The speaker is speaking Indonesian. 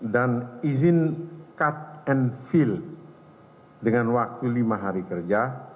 dan izin cut and fill dengan waktu lima hari kerja